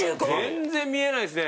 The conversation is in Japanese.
全然見えないですね。